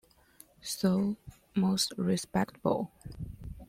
So, most respectable.